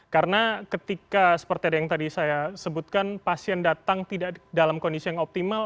karena ketika seperti yang tadi saya sebutkan pasien datang tidak dalam kondisi yang optimal